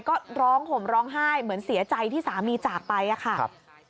ก็ร้องห่มร้องไห้เหมือนเสียใจที่สามีจากไปอะค่ะ